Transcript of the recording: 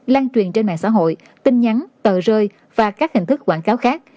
lan truyền trên mạng xã hội tin nhắn tờ rơi và các hình thức quảng cáo khác